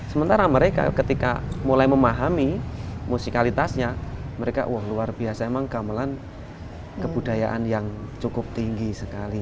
sementara mereka ketika mulai memahami musikalitasnya mereka wah luar biasa emang gamelan kebudayaan yang cukup tinggi sekali